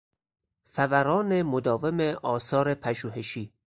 فوران مداوم آثار پژوهشی